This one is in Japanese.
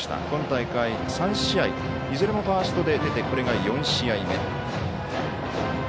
今大会３試合いずれもファーストで出てこれが４試合目。